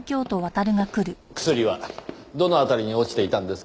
薬はどの辺りに落ちていたんですか？